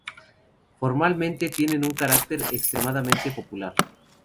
Formalmente, tienen un carácter extremadamente popular.